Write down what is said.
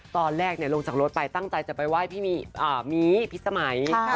ตอนแรกลงจากรถไปตั้งใจจะไปไหว้พี่มีพิษสมัย